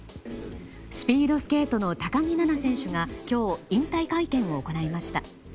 スピードスケートの高木菜那選手が今日、引退会見を行いました。